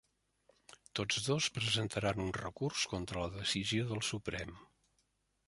Tots dos presentaran un recurs contra la decisió del Suprem